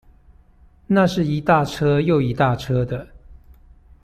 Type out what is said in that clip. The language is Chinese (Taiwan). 那是一大車又一大車的